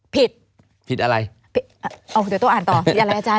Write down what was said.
ผิดเอ่อเดี๋ยวเต้าอ่านต่อผิดอะไรอาจารย์